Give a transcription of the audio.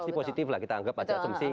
pasti positif lah kita anggap aja asumsi